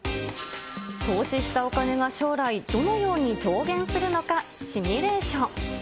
投資したお金が将来、どのように増減するのか、シミュレーション。